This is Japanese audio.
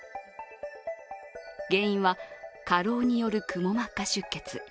原因は、過労によるくも膜下出血。